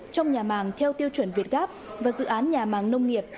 trong nhà màng theo tiêu chuẩn việt gáp và dự án nhà màng nông nghiệp